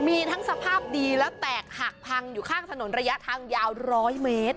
มีทั้งสภาพดีและแตกหักพังอยู่ข้างถนนระยะทางยาว๑๐๐เมตร